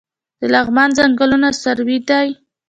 د لغمان ځنګلونه سروې دي